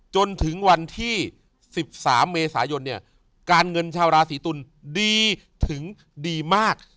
จนถึงวันที่๑๓เมษายนเนี่ยการเงินชาวราศีตุลดีถึงดีมาก